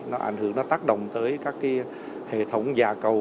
nó ảnh hưởng nó tác động tới các hệ thống dạ cầu